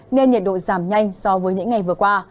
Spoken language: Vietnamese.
nên nhiệt độ giảm nhanh so với những ngày vừa qua